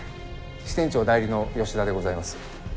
支店長代理の吉田でございます。